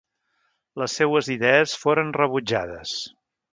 Les seues idees foren rebutjades.